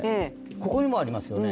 ここにもありますよね。